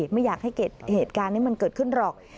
ไม่อยากให้เกิดเหตุการณ์นี้มันเกิดขึ้นหรอก